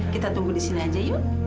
kita tunggu saja disini ya